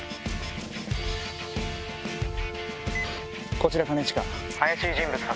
こちら兼近。